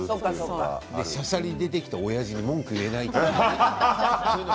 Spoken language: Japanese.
しゃしゃり出てきたおやじに文句言えないという。